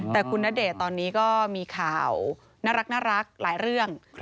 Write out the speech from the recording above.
แต่คุณณเดชน์ตอนนี้ก็มีข่าวน่ารักหลายเรื่อง